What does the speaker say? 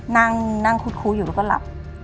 นั่งคุดคู้อยู่แล้วก็หลับ